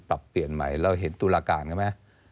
ปรับเปลี่ยนใหม่เราเห็นตุลาการเขาไหม